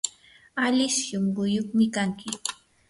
ali shunquyuqmi kanki.